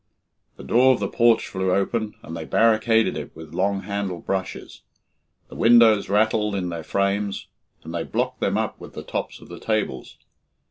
The door of the porch flew open, and they barricaded it with long handled brushes; the windows rattled in their frames, and they blocked them up with the tops of the tables.